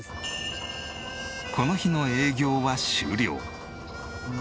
この日の営業は終了。